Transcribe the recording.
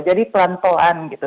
jadi pelan pelan gitu